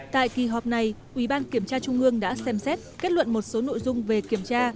tại kỳ họp này ủy ban kiểm tra trung ương đã xem xét kết luận một số nội dung về kiểm tra